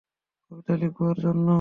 কবিতা লিখব ওর জন্য?